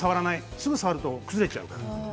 すぐ触ると崩れちゃうから。